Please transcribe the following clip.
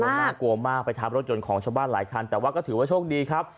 น่ากลัวมากไปทับรถยนต์ของชาวบ้านหลายคันแต่ว่าก็ถือว่าโชคดีครับ